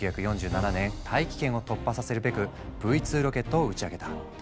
１９４７年大気圏を突破させるべくＶ２ロケットを打ち上げた。